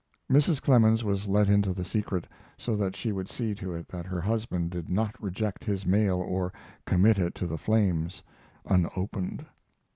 Mrs. Clemens was let into the secret, so that she would see to it that her husband did not reject his mail or commit it to the flames unopened.